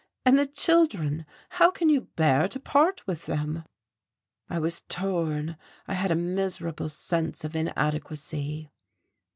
And the children. How can you bear to part with them?" I was torn, I had a miserable sense of inadequacy.